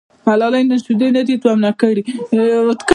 ملالۍ نن شیدې نه دي تونه کړي.